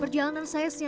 perjalanan saya setelah